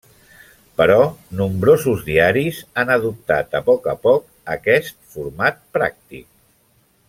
Però nombrosos diaris han adoptat a poc a poc aquest format pràctic.